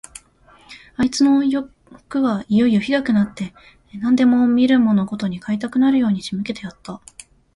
あいつのよくはいよいよひどくなって行って、何でも見るものごとに買いたくなるように仕向けてやった。